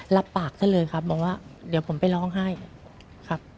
รับปากซะเลยครับบอกว่าเดี๋ยวผมไปร้องไห้ครับ